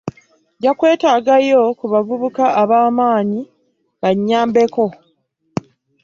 nja kwetaagayo ku bavubuka ab'amaanyi bannyambeko.